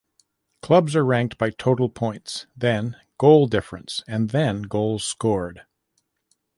Clubs are ranked by total points, then goal difference, and then goals scored.